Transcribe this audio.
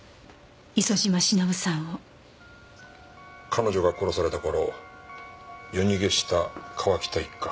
彼女が殺された頃夜逃げした川喜多一家。